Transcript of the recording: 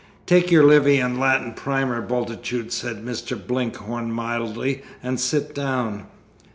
"Take your Livy and Latin Primer, Bultitude," said Mr. Blinkhorn mildly, "and sit down."